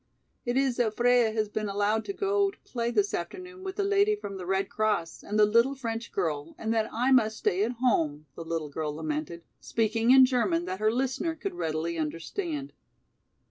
"It is that Freia has been allowed to go to play this afternoon with the lady from the Red Cross and the little French girl and that I must stay at home," the little girl lamented, speaking in German that her listener could readily understand.